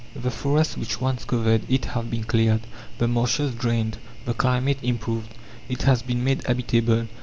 The forests which once covered it have been cleared, the marshes drained, the climate improved. It has been made habitable.